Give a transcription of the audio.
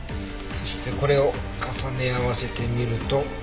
そしてこれを重ね合わせてみると。